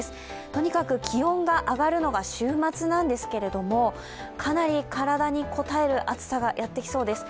とにかく気温が上がるのが週末なんですけど、かなり体にこたえる暑さがやってきそうです。